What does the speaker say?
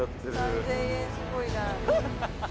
３０００円スゴいな。